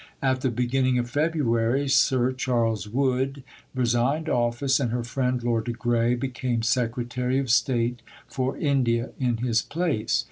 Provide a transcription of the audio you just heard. At the beginning of February Sir Charles Wood resigned office, and her friend, Lord de Grey, became Secretary of State for India in his place.